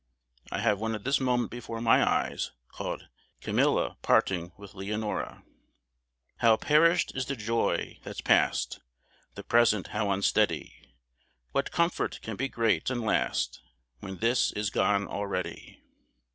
I have one at this moment before my eyes, called "Camilla parting with Leonora:" "How perished is the joy that's past, The present how unsteady! What comfort can be great, and last, When this is gone already!"